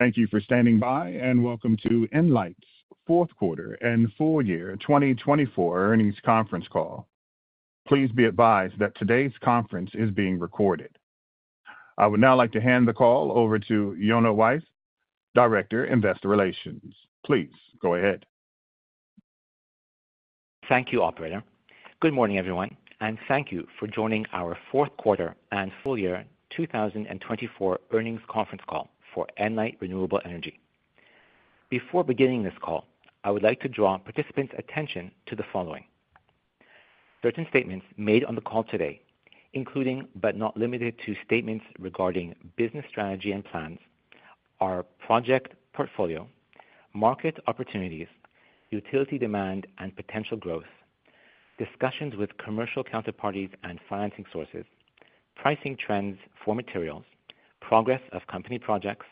Thank you for standing by, and welcome to Enlight's Fourth Quarter and Full Year 2024 Earnings Conference Call. Please be advised that today's conference is being recorded. I would now like to hand the call over to Yonah Weisz, Director of Investor Relations. Please go ahead. Thank you, Operator. Good morning, everyone, and thank you for joining our Fourth Quarter and Full Year 2024 Earnings Conference Call for Enlight Renewable Energy. Before beginning this call, I would like to draw participants' attention to the following: certain statements made on the call today, including but not limited to statements regarding business strategy and plans, our project portfolio, market opportunities, utility demand and potential growth, discussions with commercial counterparties and financing sources, pricing trends for materials, progress of company projects,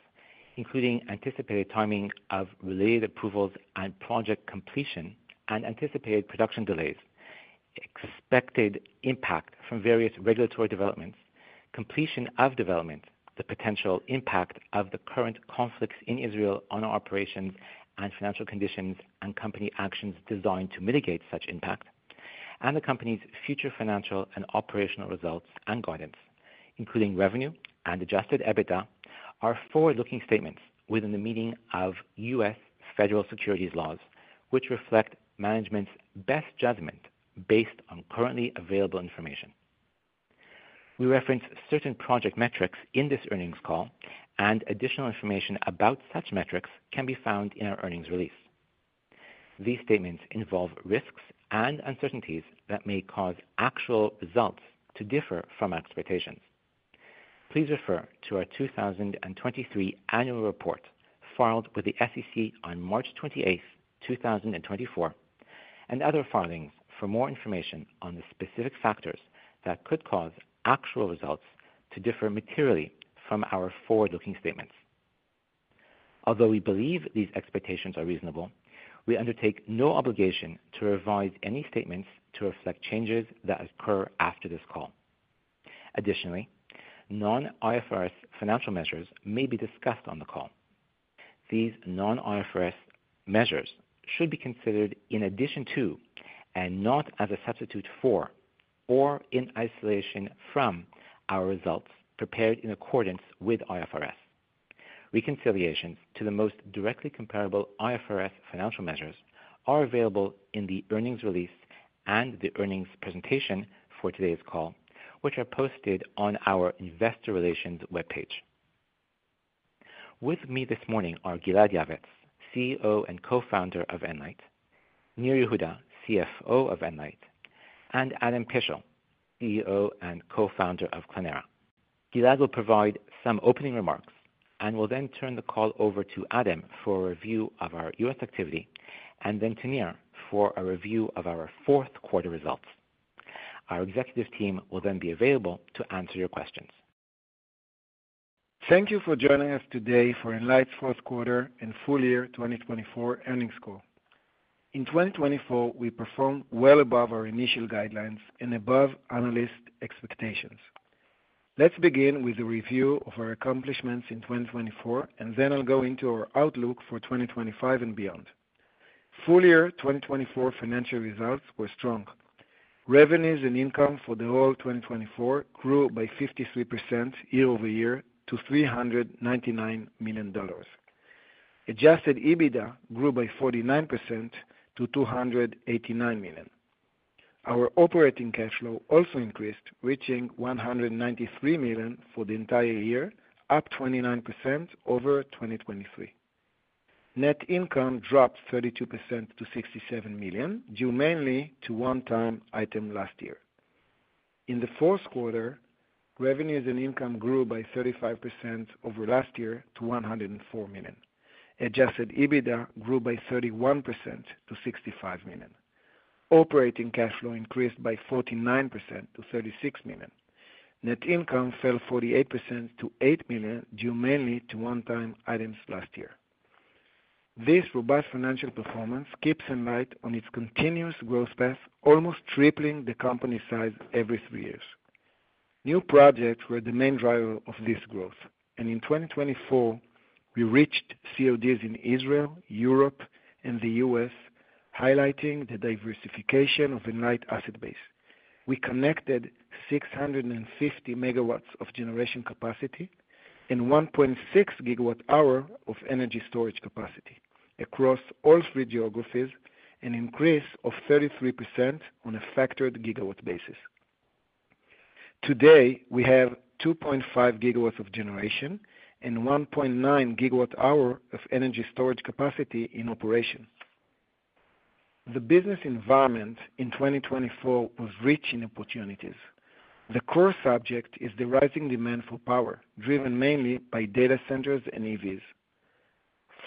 including anticipated timing of related approvals and project completion and anticipated production delays, expected impact from various regulatory developments, completion of development, the potential impact of the current conflicts in Israel on our operations and financial conditions, and company actions designed to mitigate such impact, and the company's future financial and operational results and guidance, including revenue and Adjusted EBITDA, are forward-looking statements within the meaning of U.S. Federal securities laws, which reflect management's best judgment based on currently available information. We reference certain project metrics in this earnings call, and additional information about such metrics can be found in our earnings release. These statements involve risks and uncertainties that may cause actual results to differ from expectations. Please refer to our 2023 Annual Report filed with the SEC on March 28, 2024, and other filings for more information on the specific factors that could cause actual results to differ materially from our forward-looking statements. Although we believe these expectations are reasonable, we undertake no obligation to revise any statements to reflect changes that occur after this call. Additionally, non-IFRS financial measures may be discussed on the call. These non-IFRS measures should be considered in addition to, and not as a substitute for, or in isolation from our results prepared in accordance with IFRS. Reconciliations to the most directly comparable IFRS financial measures are available in the earnings release and the earnings presentation for today's call, which are posted on our Investor Relations webpage. With me this morning are Gilad Yavetz, CEO and Co-founder of Enlight; Nir Yehuda, CFO of Enlight; and Adam Pishl, CEO and Co-founder of Clēnera. Gilad will provide some opening remarks and will then turn the call over to Adam for a review of our U.S. activity, and then to Nir for a review of our Fourth Quarter results. Our executive team will then be available to answer your questions. Thank you for joining us today for Enlight's Fourth Quarter and Full Year 2024 Earnings Call. In 2024, we performed well above our initial guidelines and above analyst expectations. Let's begin with a review of our accomplishments in 2024, and then I'll go into our outlook for 2025 and beyond. Full Year 2024 financial results were strong. Revenues and income for the whole 2024 grew by 53% year-over-year to $399 million. Adjusted EBITDA grew by 49% to $289 million. Our operating cash flow also increased, reaching $193 million for the entire year, up 29% over 2023. Net income dropped 32% to $67 million, due mainly to one-time item last year. In the fourth quarter, revenues and income grew by 35% over last year to $104 million. Adjusted EBITDA grew by 31% to $65 million. Operating cash flow increased by 49% to $36 million. Net income fell 48% to $8 million, due mainly to one-time items last year. This robust financial performance keeps Enlight on its continuous growth path, almost tripling the company's size every three years. New projects were the main driver of this growth, and in 2024, we reached CODs in Israel, Europe, and the U.S., highlighting the diversification of Enlight's asset base. We connected 650 megawatts of generation capacity and 1.6 gigawatt-hour of energy storage capacity across all three geographies, an increase of 33% on a factored gigawatt basis. Today, we have 2.5 GW of generation and 1.9 GWh of energy storage capacity in operation. The business environment in 2024 was rich in opportunities. The core subject is the rising demand for power, driven mainly by data centers and EVs.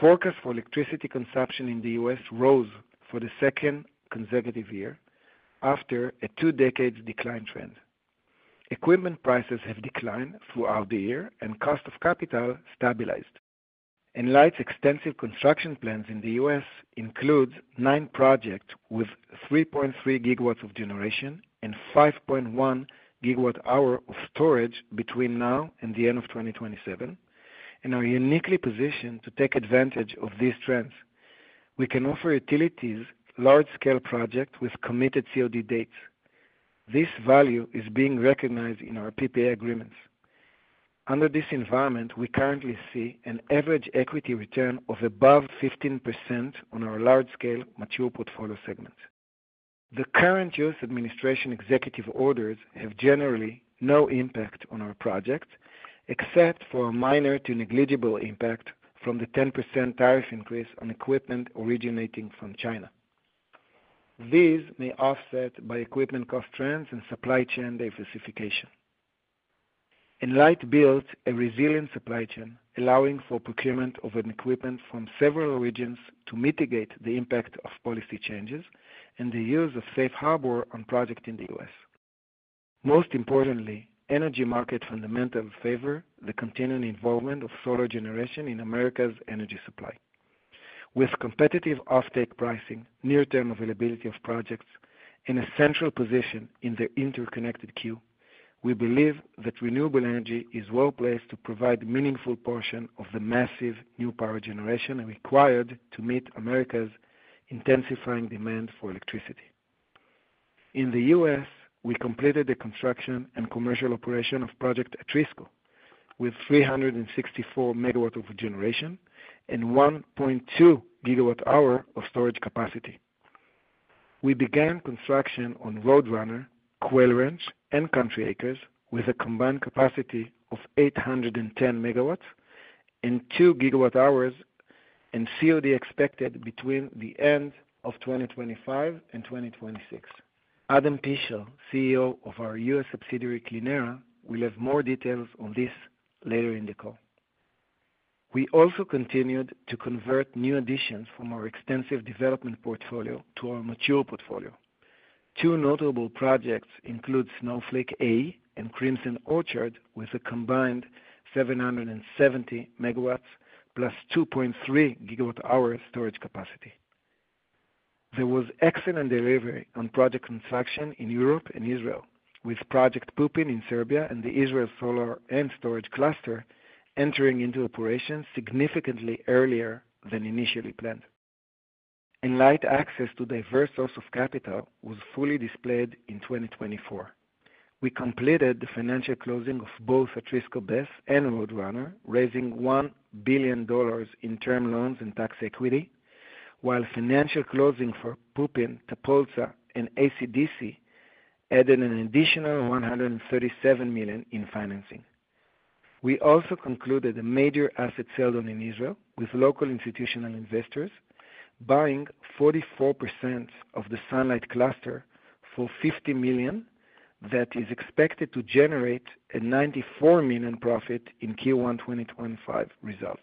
Forecasts for electricity consumption in the U.S. rose for the second consecutive year after a two-decade decline trend. Equipment prices have declined throughout the year and cost of capital stabilized. Enlight's extensive construction plans in the U.S. include nine projects with 3.3 GW of generation and 5.1 gigawatt-hour of storage between now and the end of 2027, and are uniquely positioned to take advantage of these trends. We can offer utilities large-scale projects with committed COD dates. This value is being recognized in our PPA agreements. Under this environment, we currently see an average equity return of above 15% on our large-scale mature portfolio segment. The current U.S. administration executive orders have generally no impact on our projects, except for a minor to negligible impact from the 10% tariff increase on equipment originating from China. These may offset by equipment cost trends and supply chain diversification. Enlight built a resilient supply chain, allowing for procurement of equipment from several regions to mitigate the impact of policy changes and the use of safe harbor on projects in the U.S. Most importantly, energy market fundamentals favor the continuing involvement of solar generation in America's energy supply. With competitive offtake pricing, near-term availability of projects, and a central position in the interconnection queue, we believe that renewable energy is well placed to provide a meaningful portion of the massive new power generation required to meet America's intensifying demand for electricity. In the U.S., we completed the construction and commercial operation of Project Atrisco, with 364 MW of generation and 1.2 gigawatt-hour of storage capacity. We began construction on Roadrunner, Quail Ranch, and Country Acres with a combined capacity of 810 MW and 2 gigawatt-hours, and COD expected between the end of 2025 and 2026. Adam Pishl, CEO of our U.S. subsidiary Clēnera, will have more details on this later in the call. We also continued to convert new additions from our extensive development portfolio to our mature portfolio. Two notable projects include Snowflake A and Crimson Orchard, with a combined 770 MW plus 2.3 gigawatt-hour storage capacity. There was excellent delivery on project construction in Europe and Israel, with Project Pupin in Serbia and the Israel Solar and Storage Cluster entering into operations significantly earlier than initially planned. Enlight's access to diverse sources of capital was fully displayed in 2024. We completed the financial closing of both Atrisco BESS and Roadrunner, raising $1 billion in term loans and tax equity, while financial closing for Pupin, Tapolca, and AC/DC added an additional $137 million in financing. We also concluded a major asset sale done in Israel, with local institutional investors buying 44% of the Sunlight Cluster for $50 million that is expected to generate a $94 million profit in Q1 2025 results.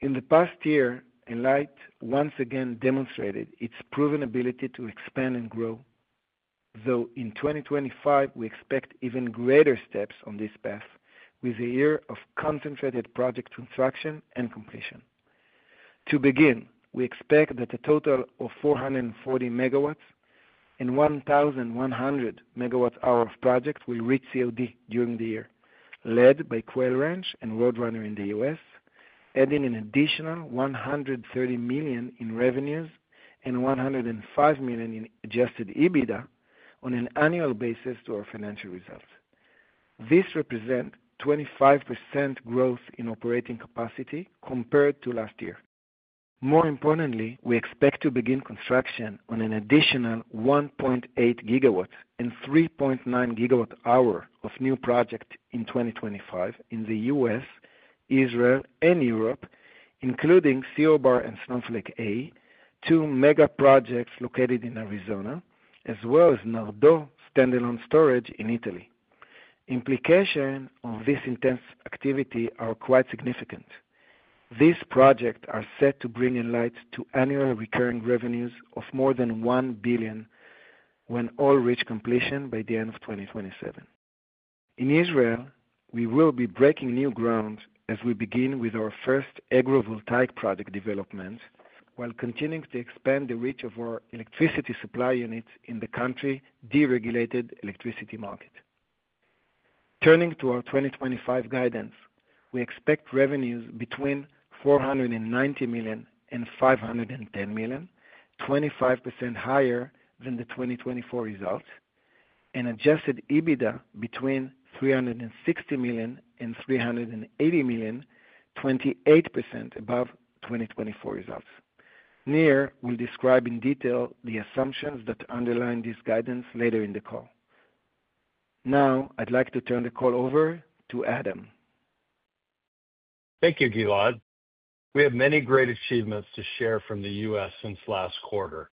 In the past year, Enlight once again demonstrated its proven ability to expand and grow, though in 2025, we expect even greater steps on this path, with a year of concentrated project construction and completion. To begin, we expect that a total of 440 MW and 1,100 MWh of projects will reach COD during the year, led by Quail Ranch and Roadrunner in the U.S., adding an additional $130 million in revenues and $105 million in Adjusted EBITDA on an annual basis to our financial results. This represents 25% growth in operating capacity compared to last year. More importantly, we expect to begin construction on an additional 1.8 gigawatts and 3.9 gigawatt-hour of new projects in 2025 in the U.S., Israel, and Europe, including CO Bar and Snowflake A, two mega projects located in Arizona, as well as Nardo standalone storage in Italy. Implications of this intense activity are quite significant. These projects are set to bring Enlight to annual recurring revenues of more than $1 billion when all reach completion by the end of 2027. In Israel, we will be breaking new ground as we begin with our first agrivoltaic project development while continuing to expand the reach of our electricity supply units in the country's deregulated electricity market. Turning to our 2025 guidance, we expect revenues between $490 million and $510 million, 25% higher than the 2024 results, and Adjusted EBITDA between $360 million and $380 million, 28% above 2024 results. Nir will describe in detail the assumptions that underline this guidance later in the call. Now, I'd like to turn the call over to Adam. Thank you, Gilad. We have many great achievements to share from the U.S. since last quarter.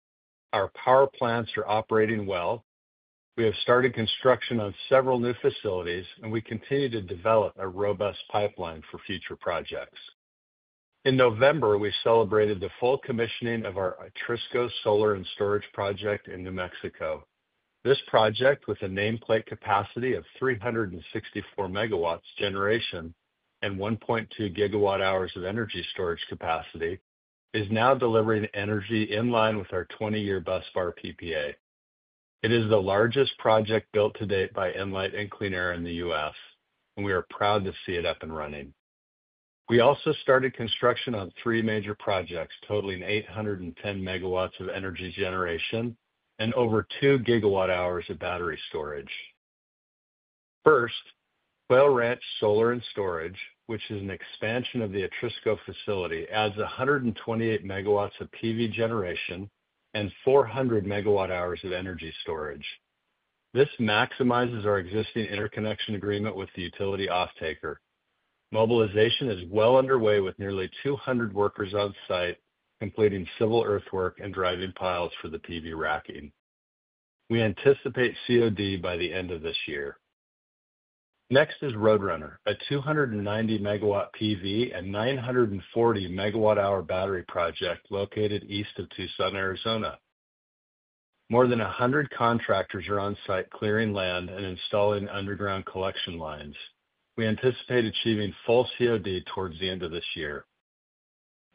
Our power plants are operating well. We have started construction on several new facilities, and we continue to develop a robust pipeline for future projects. In November, we celebrated the full commissioning of our Atrisco Solar and Storage project in New Mexico. This project, with a nameplate capacity of 364 MW generation and 1.2 gigawatt-hours of energy storage capacity, is now delivering energy in line with our 20-year busbar PPA. It is the largest project built to date by Enlight and Clēnera in the U.S., and we are proud to see it up and running. We also started construction on three major projects totaling 810 MW of energy generation and over 2 gigawatt-hours of battery storage. First, Quail Ranch Solar and Storage, which is an expansion of the Atrisco facility, adds 128 MW of PV generation and 400 MWh of energy storage. This maximizes our existing interconnection agreement with the utility off-taker. Mobilization is well underway with nearly 200 workers on site completing civil earthwork and driving piles for the PV racking. We anticipate COD by the end of this year. Next is Roadrunner, a 290 MW PV and 940 MWh battery project located east of Tucson, Arizona. More than 100 contractors are on site clearing land and installing underground collection lines. We anticipate achieving full COD towards the end of this year.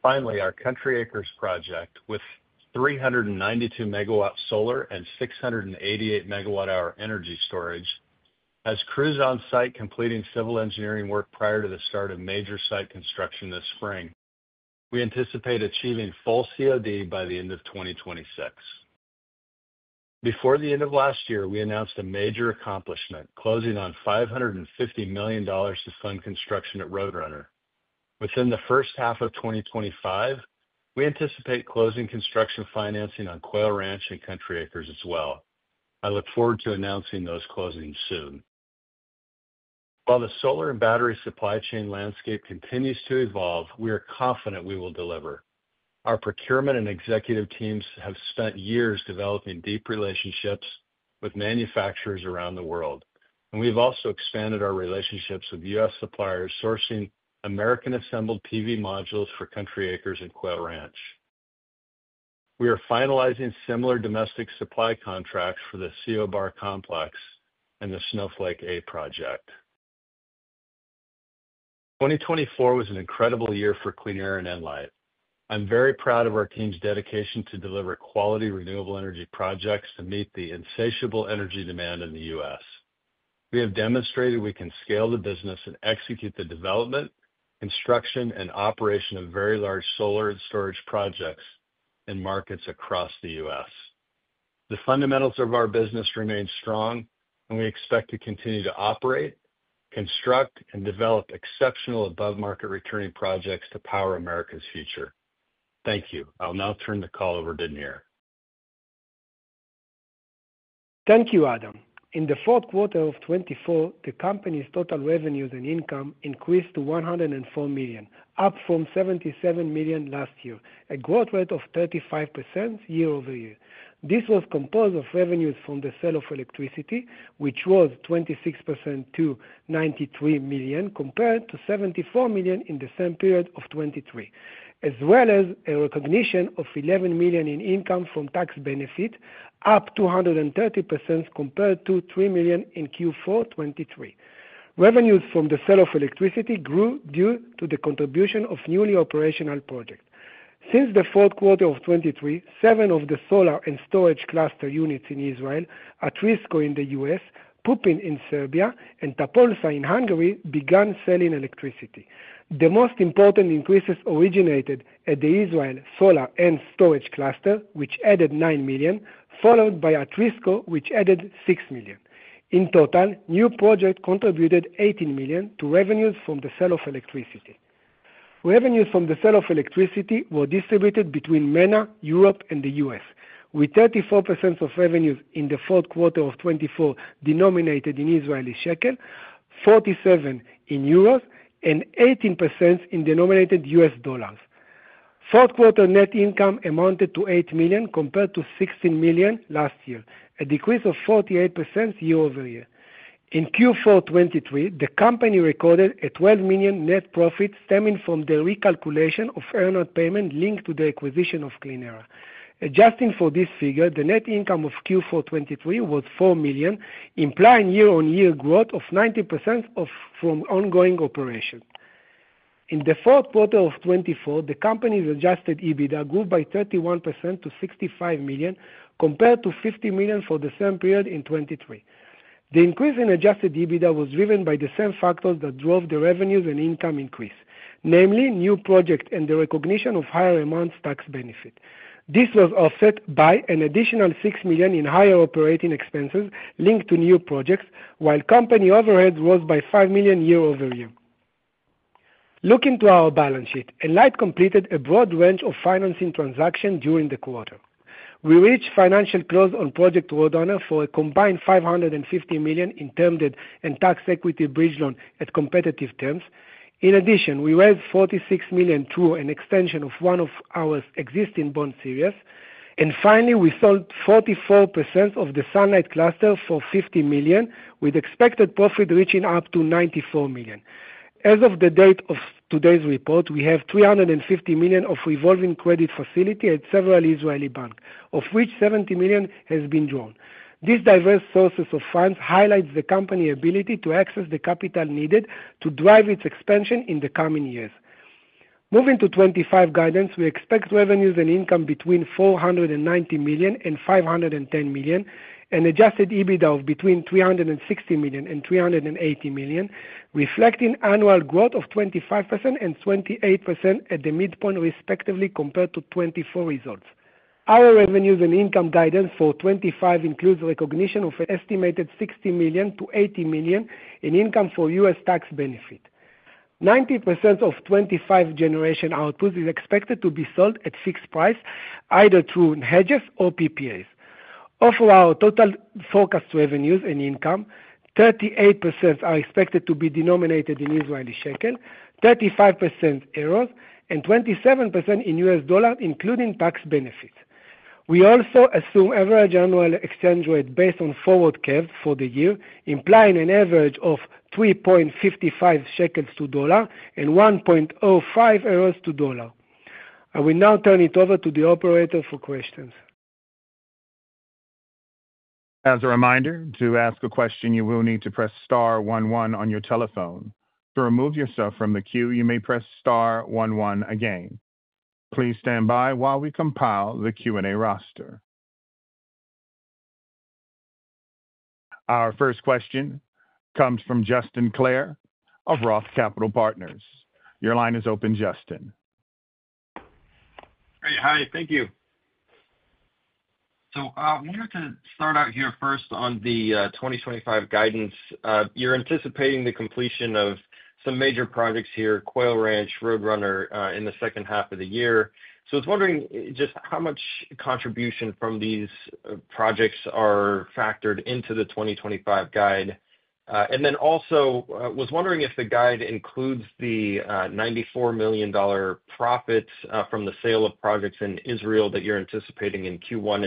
Finally, our Country Acres project with 392 MW solar and 688 MWh energy storage has crews on site completing civil engineering work prior to the start of major site construction this spring. We anticipate achieving full COD by the end of 2026. Before the end of last year, we announced a major accomplishment, closing on $550 million to fund construction at Roadrunner. Within the first half of 2025, we anticipate closing construction financing on Quail Ranch and Country Acres as well. I look forward to announcing those closings soon. While the solar and battery supply chain landscape continues to evolve, we are confident we will deliver. Our procurement and executive teams have spent years developing deep relationships with manufacturers around the world, and we've also expanded our relationships with U.S. suppliers sourcing American-assembled PV modules for Country Acres and Quail Ranch. We are finalizing similar domestic supply contracts for the CO Bar complex and the Snowflake A project. 2024 was an incredible year for Clēnera and Enlight. I'm very proud of our team's dedication to deliver quality renewable energy projects to meet the insatiable energy demand in the U.S. We have demonstrated we can scale the business and execute the development, construction, and operation of very large solar and storage projects in markets across the U.S. The fundamentals of our business remain strong, and we expect to continue to operate, construct, and develop exceptional above-market returning projects to power America's future. Thank you. I'll now turn the call over to Nir. Thank you, Adam. In the fourth quarter of 2024, the company's total revenues and income increased to $104 million, up from $77 million last year, a growth rate of 35% year-over-year. This was composed of revenues from the sale of electricity, which rose 26% to $93 million, compared to $74 million in the same period of 2023, as well as a recognition of $11 million in income from tax benefits, up 230% compared to $3 million in Q4 2023. Revenues from the sale of electricity grew due to the contribution of newly operational projects. Since the fourth quarter of 2023, seven of the Solar and Storage Cluster units in Israel, in the U.S., Pupin in Serbia, and Tapolca in Hungary began selling electricity. The most important increases originated at the Israel Solar and Storage Cluster, which added $9 million, followed by Atrisco, which added $6 million. In total, new projects contributed $18 million to revenues from the sale of electricity. Revenues from the sale of electricity were distributed between MENA, Europe, and the U.S., with 34% of revenues in the fourth quarter of 2024 denominated in Israeli shekel, 47% in euros, and 18% denominated in U.S. dollars. Fourth quarter net income amounted to $8 million compared to $16 million last year, a decrease of 48% year-over-year. In Q4 2023, the company recorded a $12 million net profit stemming from the recalculation of earned payment linked to the acquisition of Clēnera. Adjusting for this figure, the net income of Q4 2023 was $4 million, implying year-on-year growth of 90% from ongoing operations. In the fourth quarter of 2024, the company's Adjusted EBITDA grew by 31% to $65 million compared to $50 million for the same period in 2023. The increase in Adjusted EBITDA was driven by the same factors that drove the revenues and income increase, namely new projects and the recognition of higher amounts of tax benefits. This was offset by an additional $6 million in higher operating expenses linked to new projects, while company overhead rose by $5 million year-over-year. Looking to our balance sheet, Enlight completed a broad range of financing transactions during the quarter. We reached financial close on Project Roadrunner for a combined $550 million in term debt and tax equity bridge loan at competitive terms. In addition, we raised $46 million through an extension of one of our existing bond series. And finally, we sold 44% of the Sunlight Cluster for $50 million, with expected profit reaching up to $94 million. As of the date of today's report, we have $350 million of revolving credit facility at several Israeli banks, of which $70 million has been drawn. These diverse sources of funds highlight the company's ability to access the capital needed to drive its expansion in the coming years. Moving to 2025 guidance, we expect revenues and income between $490 million and $510 million, an adjusted EBITDA of between $360 million and $380 million, reflecting annual growth of 25% and 28% at the midpoint respectively compared to 2024 results. Our revenues and income guidance for 2025 includes recognition of an estimated $60 million-$80 million in income for U.S. tax benefits. 90% of 2025 generation output is expected to be sold at fixed price, either through hedges or PPAs. Of our total forecast revenues and income, 38% are expected to be denominated in Israeli shekel, 35% Euros, and 27% in U.S. Dollars, including tax benefits. We also assume average annual exchange rate based on forward curves for the year, implying an average of 3.55 shekels to dollar and 1.05 euros to dollar. I will now turn it over to the operator for questions. As a reminder, to ask a question, you will need to press star one one on your telephone. To remove yourself from the queue, you may press star one one again. Please stand by while we compile the Q&A roster. Our first question comes from Justin Clare of ROTH Capital Partners. Your line is open, Justin. Hey, hi. Thank you. So I wanted to start out here first on the 2025 guidance. You're anticipating the completion of some major projects here, Quail Ranch, Roadrunner in the second half of the year. So I was wondering just how much contribution from these projects are factored into the 2025 guide? And then also was wondering if the guide includes the $94 million profits from the sale of projects in Israel that you're anticipating in Q1?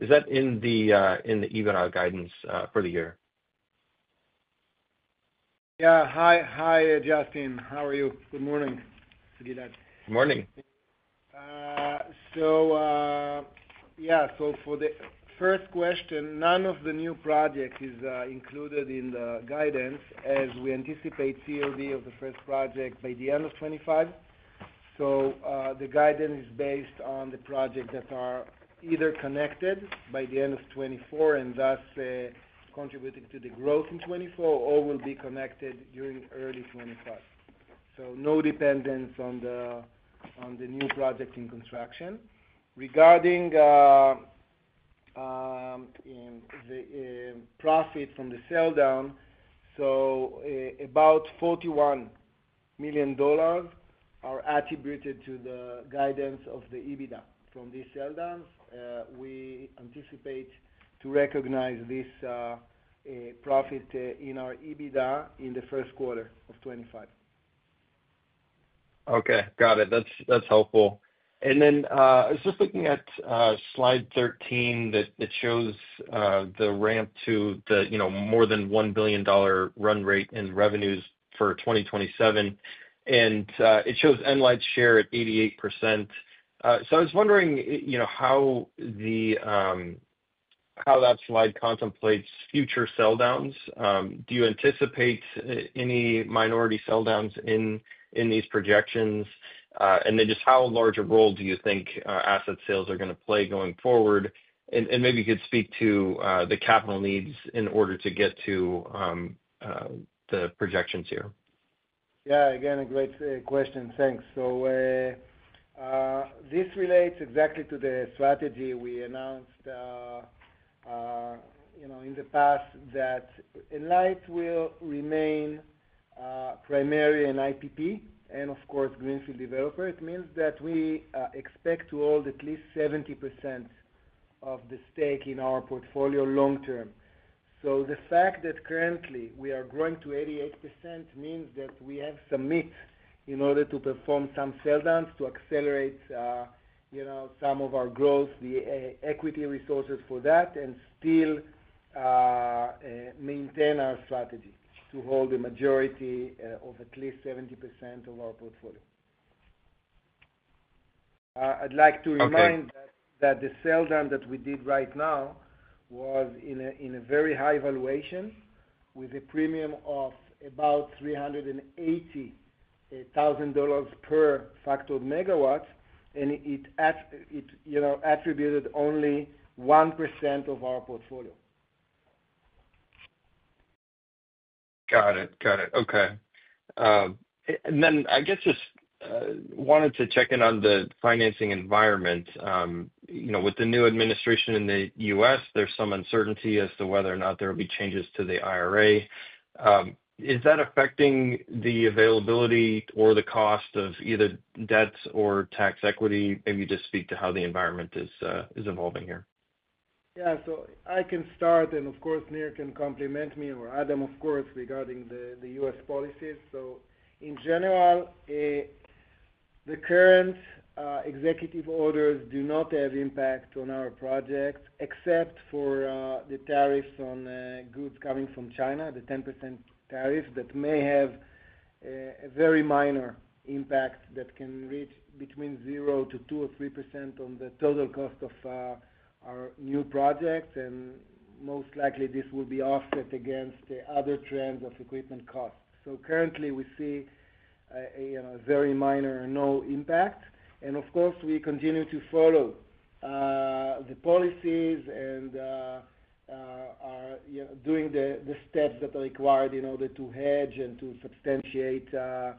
Is that in the even out guidance for the year? Yeah. Hi, Justin. How are you? Good morning, Gilad. Good morning. Yeah, for the first question, none of the new projects is included in the guidance, as we anticipate COD of the first project by the end of 2025. The guidance is based on the projects that are either connected by the end of 2024 and thus contributing to the growth in 2024, or will be connected during early 2025. No dependence on the new projects in construction. Regarding the profit from the sale down, about $41 million are attributed to the guidance of the EBITDA from these sale downs. We anticipate to recognize this profit in our EBITDA in the first quarter of 2025. Okay. Got it. That's helpful. And then I was just looking at slide 13 that shows the ramp to the more than $1 billion run rate in revenues for 2027. And it shows Enlight's share at 88%. So I was wondering how that slide contemplates future sale downs. Do you anticipate any minority sale downs in these projections? And then just how large a role do you think asset sales are going to play going forward? And maybe you could speak to the capital needs in order to get to the projections here. Yeah. Again, a great question. Thanks. So this relates exactly to the strategy we announced in the past that Enlight will remain primarily an IPP and, of course, Greenfield developer. It means that we expect to hold at least 70% of the stake in our portfolio long term. So the fact that currently we are growing to 88% means that we have some meat in order to perform some sale downs to accelerate some of our growth, the equity resources for that, and still maintain our strategy to hold the majority of at least 70% of our portfolio. I'd like to remind that the sale down that we did right now was in a very high valuation with a premium of about $380,000 per factored megawatts, and it attributed only 1% of our portfolio. Got it. Got it. Okay. And then I guess just wanted to check in on the financing environment. With the new administration in the U.S., there's some uncertainty as to whether or not there will be changes to the IRA. Is that affecting the availability or the cost of either debts or tax equity? Maybe you just speak to how the environment is evolving here. Yeah. So I can start, and of course, Nir can complement me or Adam, of course, regarding the U.S. policies. So in general, the current executive orders do not have impact on our projects, except for the tariffs on goods coming from China, the 10% tariff that may have a very minor impact that can reach between 0% to 2% or 3% on the total cost of our new projects. And most likely, this will be offset against other trends of equipment costs. So currently, we see a very minor and no impact. And of course, we continue to follow the policies and are doing the steps that are required in order to hedge and to substantiate the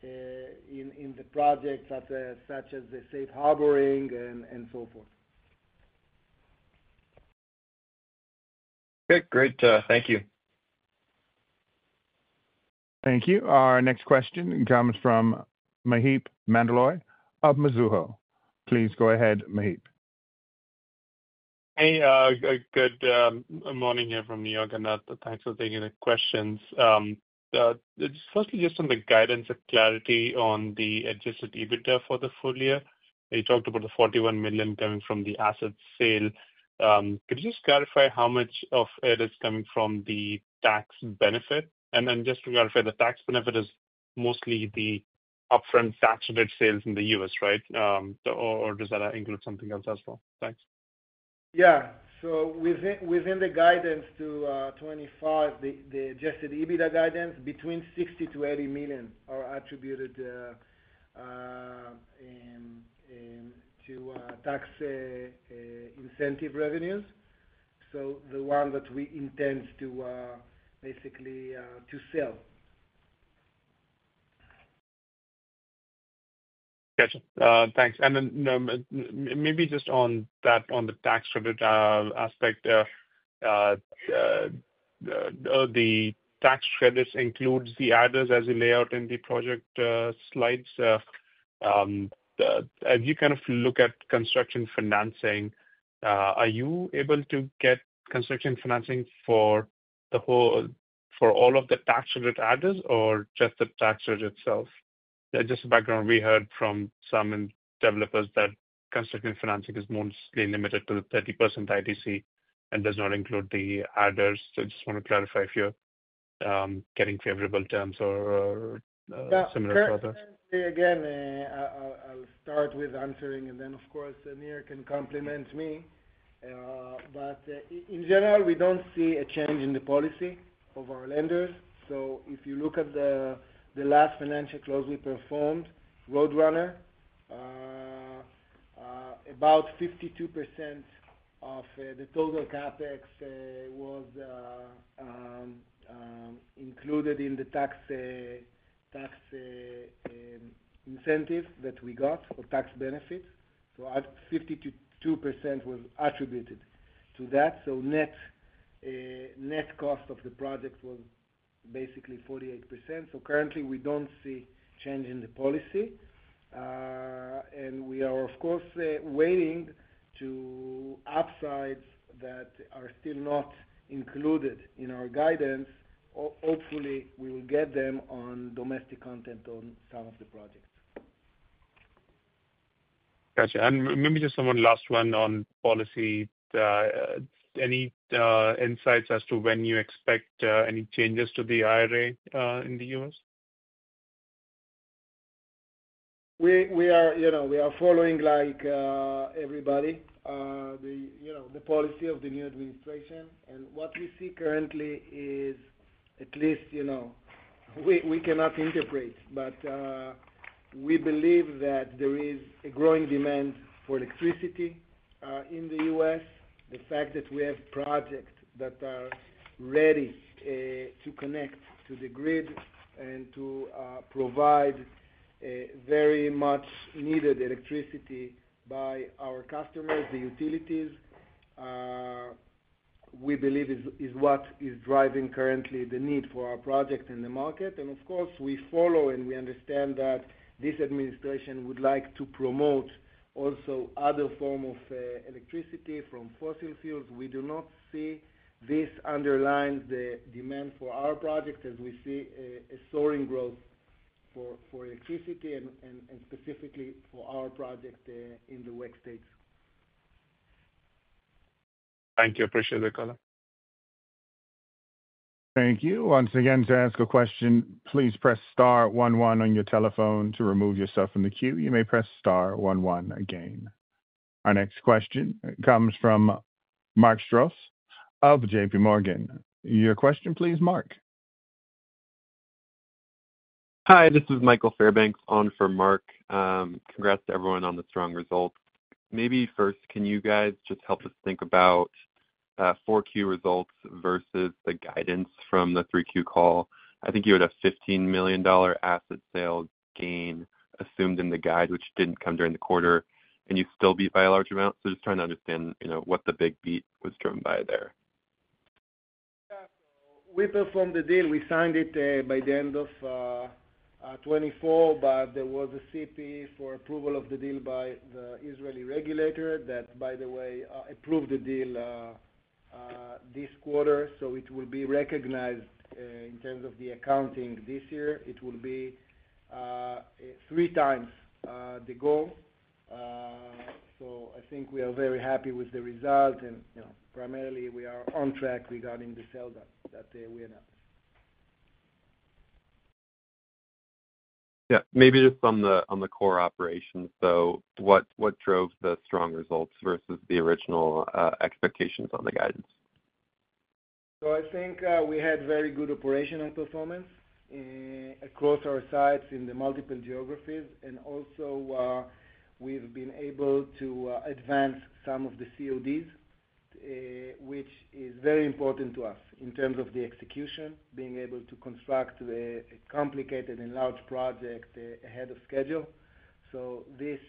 strength in the projects such as the safe harbor and so forth. Okay. Great. Thank you. Thank you. Our next question comes from Maheep Mandloi of Mizuho. Please go ahead, Mahip. Hey. Good morning here from New York, and thanks for taking the questions. Firstly, just on the guidance of clarity on the Adjusted EBITDA for the full year. You talked about the $41 million coming from the asset sale. Could you just clarify how much of it is coming from the tax benefit? And then just to clarify, the tax benefit is mostly the upfront tax rate sales in the U.S., right? Or does that include something else as well? Thanks. Within the guidance to 2025, the Adjusted EBITDA guidance between $60 million-$80 million are attributed to tax incentive revenues. The one that we intend to basically sell. Gotcha. Thanks. And then maybe just on the tax credit aspect, the tax credits include the adders as you lay out in the project slides. As you kind of look at construction financing, are you able to get construction financing for all of the tax credit adders or just the tax credit itself? Just background, we heard from some developers that construction financing is mostly limited to the 30% ITC and does not include the adders. So I just want to clarify if you're getting favorable terms or similar to others. Yeah. So again, I'll start with answering, and then, of course, Nir can complement me. But in general, we don't see a change in the policy of our lenders. So if you look at the last financial close we performed, Roadrunner, about 52% of the total CapEx was included in the tax incentive that we got for tax benefits. So 52% was attributed to that. So net cost of the project was basically 48%. So currently, we don't see a change in the policy. And we are, of course, waiting to upsides that are still not included in our guidance. Hopefully, we will get them on domestic content on some of the projects. Gotcha. And maybe just one last one on policy. Any insights as to when you expect any changes to the IRA in the U.S.? We are following like everybody the policy of the new administration. And what we see currently is at least we cannot interpret it, but we believe that there is a growing demand for electricity in the U.S. The fact that we have projects that are ready to connect to the grid and to provide very much needed electricity by our customers, the utilities, we believe is what is driving currently the need for our project in the market. And of course, we follow and we understand that this administration would like to promote also other forms of electricity from fossil fuels. We do not see this underlines the demand for our project as we see a soaring growth for electricity and specifically for our project in the U.S. states. Thank you. Appreciate it, Colin. Thank you. Once again, to ask a question, please press star one one on your telephone to remove yourself from the queue. You may press star one one again. Our next question comes from Mark Strouse of JPMorgan. Your question, please, Mark. Hi. This is Michael Fairbanks on for Mark. Congrats to everyone on the strong results. Maybe first, can you guys just help us think about 4Q results versus the guidance from the 3Q call? I think you had a $15 million asset sale gain assumed in the guide, which didn't come during the quarter, and you still beat by a large amount. So just trying to understand what the big beat was driven by there. Yeah. So we performed the deal. We signed it by the end of 2024, but there was a CP for approval of the deal by the Israeli regulator that, by the way, approved the deal this quarter. So it will be recognized in terms of the accounting this year. It will be three times the goal. So I think we are very happy with the result. And primarily, we are on track regarding the sale that we announced. Yeah. Maybe just on the core operations. So what drove the strong results versus the original expectations on the guidance? I think we had very good operational performance across our sites in the multiple geographies. Also, we've been able to advance some of the CODs, which is very important to us in terms of the execution, being able to construct a complicated and large project ahead of schedule. This,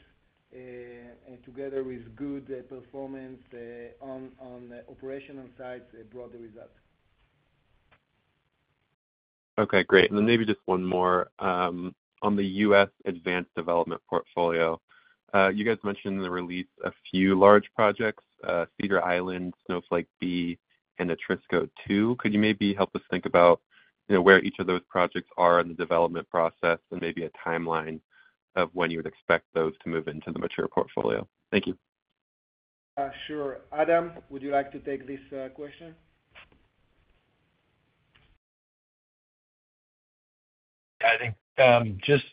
together with good performance on the operational side, brought the result. Okay. Great. And then maybe just one more on the U.S. advanced development portfolio. You guys mentioned in the release a few large projects: Cedar Island, Snowflake B, and Atrisco II. Could you maybe help us think about where each of those projects are in the development process and maybe a timeline of when you would expect those to move into the mature portfolio? Thank you. Sure. Adam, would you like to take this question? Yeah. I think just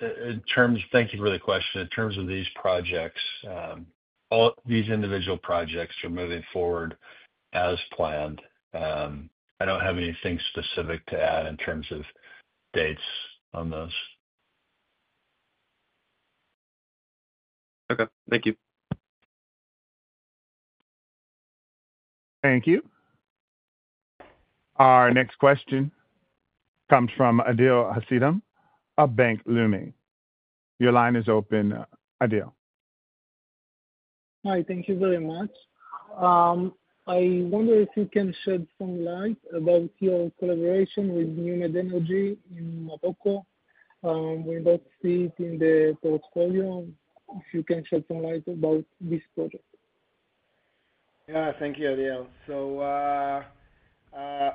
in terms of thank you for the question. In terms of these projects, all these individual projects are moving forward as planned. I don't have anything specific to add in terms of dates on those. Okay. Thank you. Thank you. Our next question comes from Adiel Hasidim of Bank Leumi. Your line is open, Adiel. Hi. Thank you very much. I wonder if you can shed some light about your collaboration with NewMed Energy in Morocco. We don't see it in the portfolio. If you can shed some light about this project. Yeah. Thank you, Adiel. So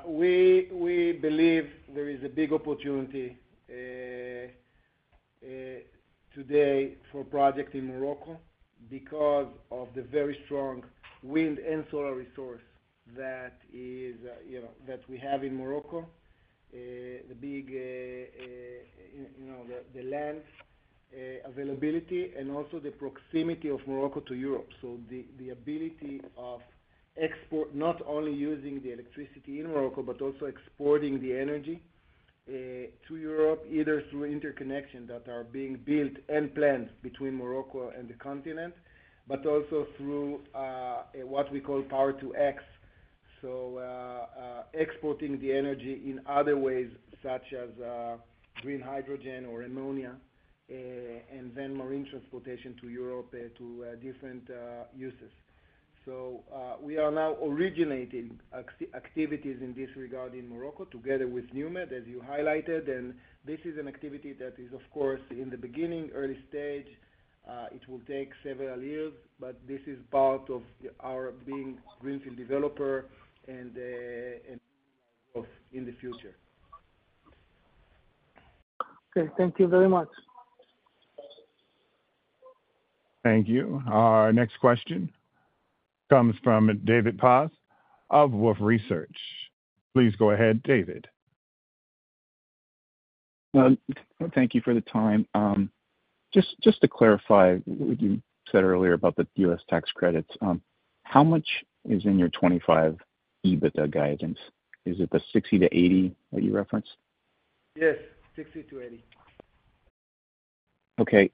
we believe there is a big opportunity today for a project in Morocco because of the very strong wind and solar resource that we have in Morocco, the land availability, and also the proximity of Morocco to Europe. So the ability of export, not only using the electricity in Morocco, but also exporting the energy to Europe, either through interconnections that are being built and planned between Morocco and the continent, but also through what we call Power-to-X. So exporting the energy in other ways, such as green hydrogen or ammonia, and then marine transportation to Europe to different uses. So we are now originating activities in this regard in Morocco together with NewMed, as you highlighted. And this is an activity that is, of course, in the beginning, early stage. It will take several years, but this is part of our being greenfield developer and in the future. Okay. Thank you very much. Thank you. Our next question comes from David Paz of Wolfe Research. Please go ahead, David. Thank you for the time. Just to clarify, what you said earlier about the U.S. tax credits, how much is in your 2025 EBITDA guidance? Is it the 60-80 that you referenced? Yes. 60-80. Okay.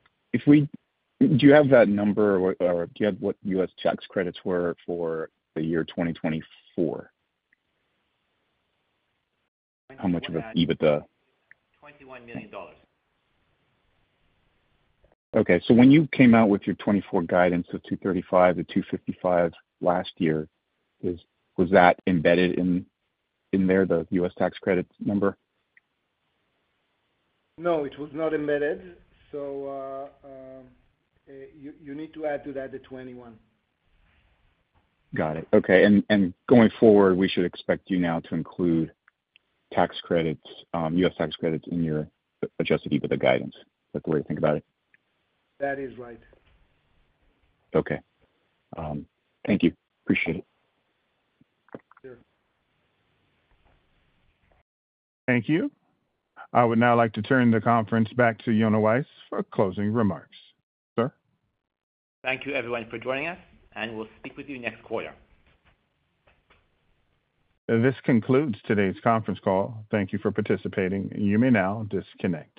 Do you have that number, or do you have what U.S. tax credits were for the year 2024? How much of an EBITDA? $21 million. Okay. So when you came out with your 2024 guidance of 235-255 last year, was that embedded in there, the U.S. tax credit number? No. It was not embedded. So you need to add to that the 21. Got it. Okay, and going forward, we should expect you now to include U.S. tax credits in your Adjusted EBITDA guidance. Is that the way you think about it? That is right. Okay. Thank you. Appreciate it. Sure. Thank you. I would now like to turn the conference back to Yonah Weisz for closing remarks. Sir? Thank you, everyone, for joining us, and we'll speak with you next quarter. This concludes today's conference call. Thank you for participating. You may now disconnect.